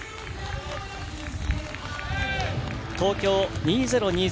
東京２０２０